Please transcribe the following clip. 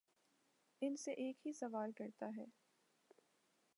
ان سے ایک ہی سوال کرتا ہے